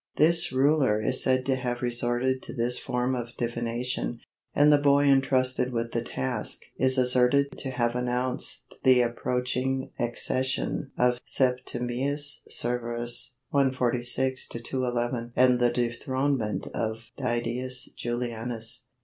This ruler is said to have resorted to this form of divination, and the boy entrusted with the task is asserted to have announced the approaching accession of Septimius Severus (146 211) and the dethronement of Didius Julianus.